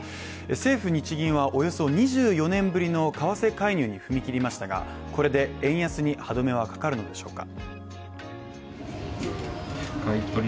政府・日銀はおよそ２４年ぶりの為替介入に踏み切りましたが、これで円安に歯止めはかかるのでしょうか。